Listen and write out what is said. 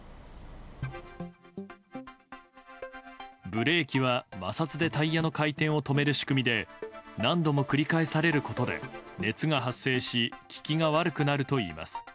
ブレーキは摩擦でタイヤの回転を止める仕組みで何度も繰り返されることで熱が発生し利きが悪くなるといいます。